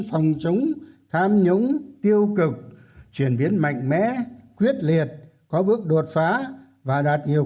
phòng chống tham nhũng tiêu cực chuyển biến mạnh mẽ quyết liệt có bước đột phá và đạt nhiều